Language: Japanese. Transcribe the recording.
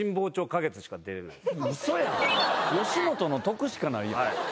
吉本の得しかないやん。